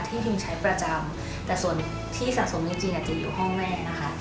พิมใช้ประจำแต่ส่วนที่สะสมจริงจริงอาจจะอยู่ห้องแม่นะคะ